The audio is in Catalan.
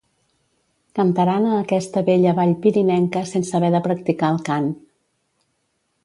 Cantaran a aquesta bella vall pirinenca sense haver de practicar el cant.